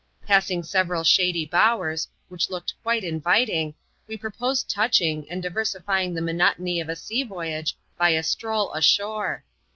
Passing several shady bowers, which looked quite inviting, we proposed touching, and diversifying the monotony of a sea voyage by a stroll ashore.